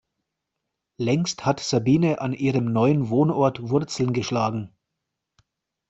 Längst hat Sabine an ihrem neuen Wohnort Wurzeln geschlagen.